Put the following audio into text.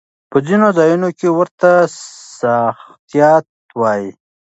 په ځينو ځايونو کې ورته ساختيات وايي.